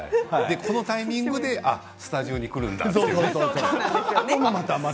このタイミングでスタジオに来るんだと。